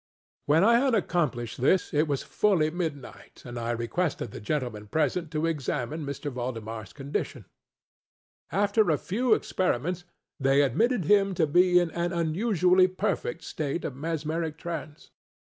When I had accomplished this, it was fully midnight, and I requested the gentlemen present to examine M. ValdemarŌĆÖs condition. After a few experiments, they admitted him to be an unusually perfect state of mesmeric trance.